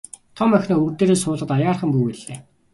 Том охиноо өвөр дээрээ суулгаад аяархан бүүвэйллээ.